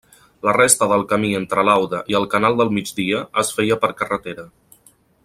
La resta del camí entre l'Aude i el canal del Migdia es feia per carretera.